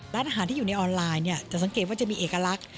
ร้านอาหารที่อยู่ในออนไลน์จะสังเกตว่าจะมีเอกลักษณ์